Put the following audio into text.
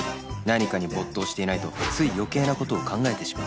何かに没頭していないとつい余計な事を考えてしまうから